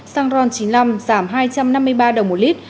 xăng ron chín mươi năm giảm hai trăm năm mươi ba đồng một lít